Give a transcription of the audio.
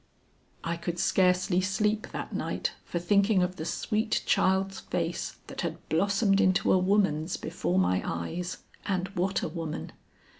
I could scarcely sleep that night for thinking of the sweet child's face that had blossomed into a woman's before my eyes, and what a woman!